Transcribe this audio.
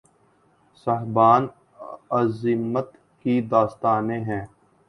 صاحبان عزیمت کی داستانیں ہیں